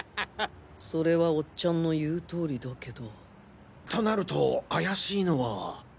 それはおっちゃんの言う通りだけどとなると怪しいのは。